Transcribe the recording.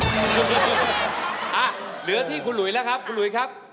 เหลือที่คุณหลุยแล้วครับคุณหลุยครับ